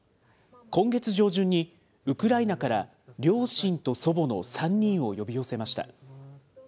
今月上旬に、ウクライナから両親と祖母の３人を呼び寄せました。